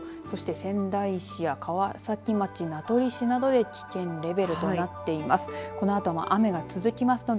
大崎市、加美町、大和町そして仙台市や川崎町など名取市などで危険レベルとなっています。